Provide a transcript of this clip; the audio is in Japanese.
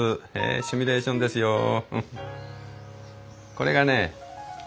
これがね